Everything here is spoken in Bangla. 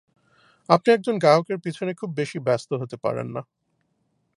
আপনি একজন গায়কের পিছনে খুব বেশি ব্যস্ত হতে পারেন না।